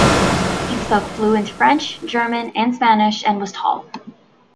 He spoke fluent French, German and Spanish and was tall.